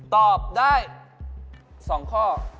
ตอบได้๒ข้อ